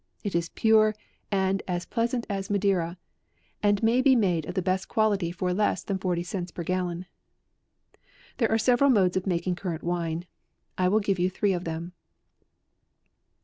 It is pure and and pleasant as Madeira, and may be made of the best quality for less than forty cents per gallon. There are several modes of making cur rant wine. I will give you three of them.